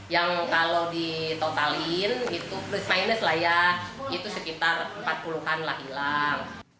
yang kalau ditotalin itu plus minus lah ya itu sekitar empat puluh an lah hilang